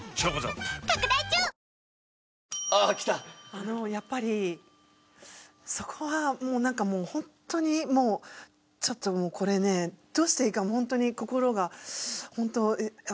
あのやっぱりそこはなんかもうホントにちょっともうこれねどうしていいかホントに心がホントあれなんですよね。